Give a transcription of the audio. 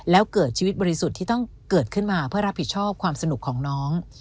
แล้วเกิดชีวิตบริสุทธิ์ที่ต้องเกิดขึ้นมาเพื่อรับผิดชอบความสนุกของน้อง